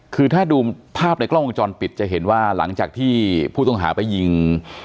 คือถ้าดูภาพในกล้องวงจรปิดจะเห็นว่าหลังจากที่ผู้ต้องหาไปยิง